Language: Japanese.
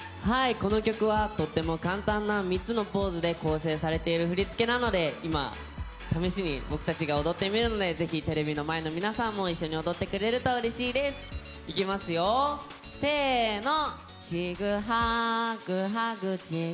この曲はとても簡単な３つのポーズで作られている振り付けなので今、試しに僕たちが踊ってみるのでぜひテレビの前の皆さんも一緒に踊ってくれるとうれしいですいきますよ、せーの！